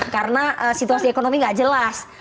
karena situasi ekonomi gak jelas